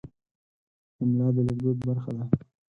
املا د لیکدود برخه ده.